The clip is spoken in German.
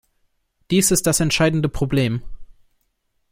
Dies ist das entscheidende Problem.